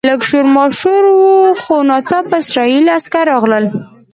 لږ شور ماشور و خو ناڅاپه اسرایلي عسکر راغلل.